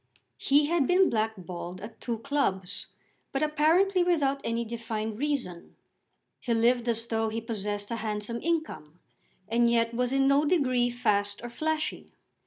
He had been blackballed at two clubs, but apparently without any defined reason. He lived as though he possessed a handsome income, and yet was in no degree fast or flashy.